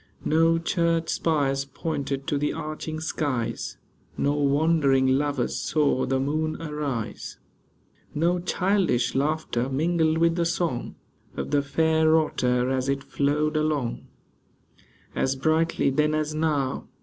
No church spires pointed to the arching skies ; No wandering lovers saw the moon arise ; No childish laughter mingled with the song Of the fair Otter, as it flowed along As brightly then as now.